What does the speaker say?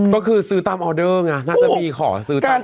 ก็คือซื้อตามออเดอร์ไงน่าจะมีขอซื้อตาม